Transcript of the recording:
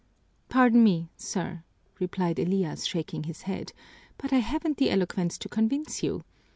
"Pardon me, sir," replied Elias, shaking his head, "but I haven't the eloquence to convince you.